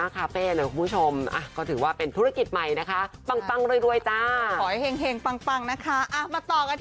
ครับผมอยากมีอยู่ครับ